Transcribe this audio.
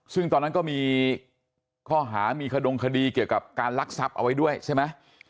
ซึ่งตอนนั้นก็มีข้อหามีขดงคดีเกี่ยวกับการลักทรัพย์เอาไว้ด้วยใช่ไหม